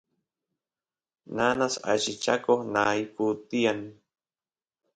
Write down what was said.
nanas allichakoq nayku tiyan